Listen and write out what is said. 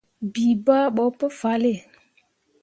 Bii bah ɓo pu fahlle.